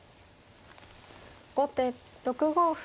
後手６五歩。